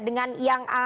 dengan yang ada